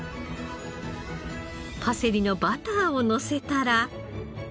パセリのバターをのせたら。